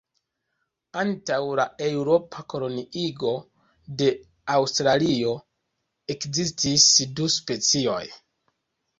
Antaŭ la eŭropa koloniigo de Aŭstralio, ekzistis du specioj.